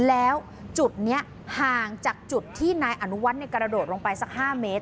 แล้วจุดนี้ห่างจากจุดที่นายอนุวัฒน์กระโดดลงไปสัก๕เมตร